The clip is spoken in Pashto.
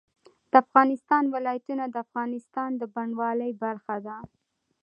د افغانستان ولايتونه د افغانستان د بڼوالۍ برخه ده.